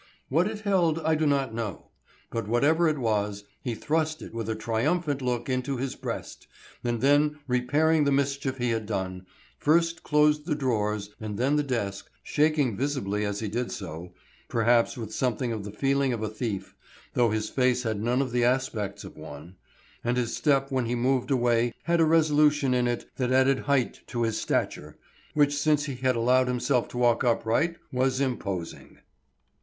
What it held I do not know, but whatever it was, he thrust it with a triumphant look into his breast, and then repairing the mischief he had done, first closed the drawers and then the desk, shaking visibly as he did so, perhaps with something of the feeling of a thief, though his face had none of the aspects of one, and his step when he moved away had a resolution in it that added height to his stature, which since he had allowed himself to walk upright was imposing.